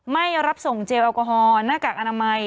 ไม่รับส่งเจลแอลกอฮอลหน้ากากอนามัย